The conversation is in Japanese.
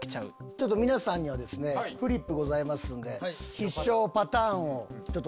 皆さんにはですねフリップございますんで。